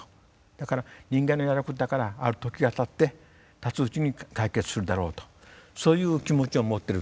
だから人間のやることだからある時がたってたつうちに解決するだろうとそういう気持ちを持ってると。